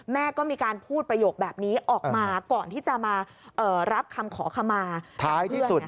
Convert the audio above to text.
แม่ก็มีการพูดประโยคแบบนี้ออกมาก่อนที่จะมารับคำขอขมาทางเพื่อน